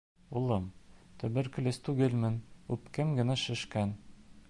— Улым, төбөркөлөз түгелмен, үпкәм генә шешкән.